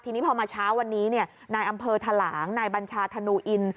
ทีนี้พอมาเช้าวันนี้นายอำเภอทะหลางนายบัญชาธนูอิน